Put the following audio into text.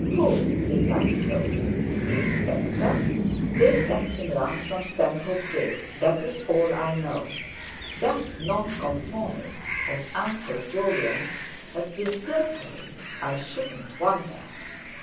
"Who?" replied Soames: "the Inspector? They sent him round from Stanhope Gate, that's all I know. That 'nonconformist' of Uncle Jolyon's has been pilfering, I shouldn't wonder!"